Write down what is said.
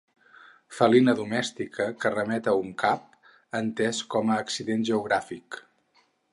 Felina domèstica que remet a un cap, entès com a accident geogràfic .